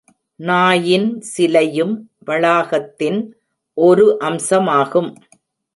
நாயின் சிலையும் வளாகத்தின் ஒரு அம்சமாகும்.